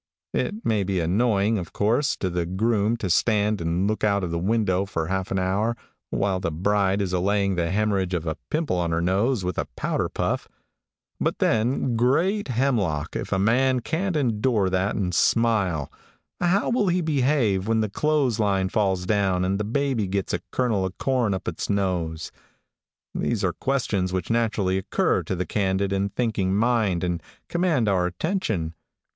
It may be annoying, of course, to the groom to stand and look out of the window for half an hour while the bride is allaying the hemorrhage of a pimple on her nose with a powder puff, but then, great hemlock! if a man can't endure that and smile, how will he behave when the clothesline falls down and the baby gets a kernel of corn up its nose? These are questions which naturally occur to the candid and thinking mind and command our attention.